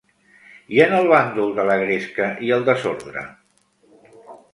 I en el bàndol de la gresca i el desordre?